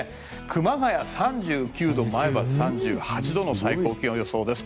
熊谷が３９度、前橋が３８度の最高気温予想です。